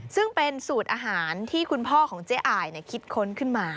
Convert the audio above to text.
ซึ่งเป็นสูตรอาหารที่คุณพ่อของเจ๊อายคิดค้นขึ้นมา